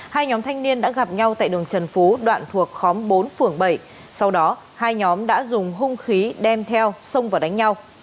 hai nhóm thanh niên đã gặp nhau tại đường trần phú đoạn thuộc khóm bốn phường bảy sau đó hai nhóm đã dùng hung khí đem theo xông vào đánh nhau